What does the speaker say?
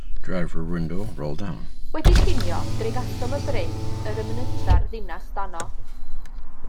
Wedi cinio, dringasom y bryn yr ymnytha'r ddinas dano.